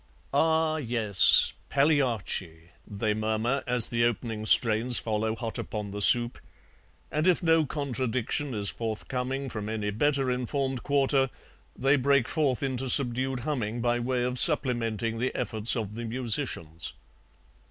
"'Ah, yes, Pagliacci,' they murmur, as the opening strains follow hot upon the soup, and if no contradiction is forthcoming from any better informed quarter they break forth into subdued humming by way of supplementing the efforts of the musicians.